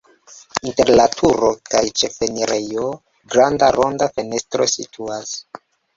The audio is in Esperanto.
Inter la turo kaj ĉefenirejo granda ronda fenestro situas.